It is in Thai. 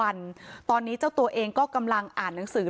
อาการอีกสองถึงสามวันตอนนี้เจ้าตัวเองก็กำลังอ่านหนังสือ